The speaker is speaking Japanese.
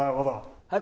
「はい。